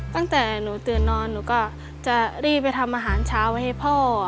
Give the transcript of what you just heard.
ตั้งแต่หนูตื่นนอนหนูก็จะรีบไปทำอาหารเช้าไว้ให้พ่อ